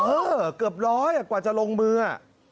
เออเกือบร้อยกว่าจะลงมือ